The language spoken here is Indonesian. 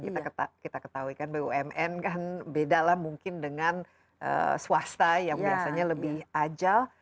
dan kita ketahui kan bumn kan bedalah mungkin dengan swasta yang biasanya lebih ajal